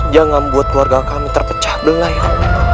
jangan buat keluarga kami terpecah belah ya